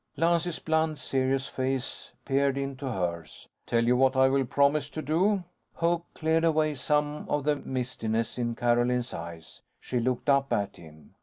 Lance's blunt, serious face peered into hers. "Tell you what I will promise to do." Hope cleared away some of the mistiness in Carolyn's eyes. She looked up at him.